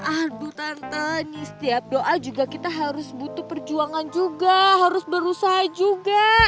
aduh tantenya setiap doa juga kita harus butuh perjuangan juga harus berusaha juga